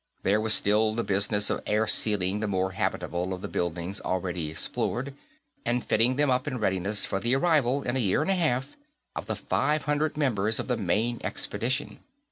There was still the business of airsealing the more habitable of the buildings already explored, and fitting them up in readiness for the arrival, in a year and a half, of the five hundred members of the main expedition.